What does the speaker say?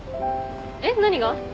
えっ何が？